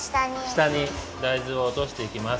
したに大豆をおとしていきます。